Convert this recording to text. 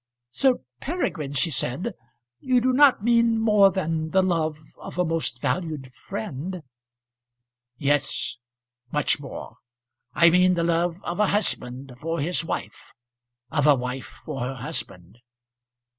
"Sir Peregrine," she said, "you do not mean more than the love of a most valued friend?" "Yes, much more. I mean the love of a husband for his wife; of a wife for her husband."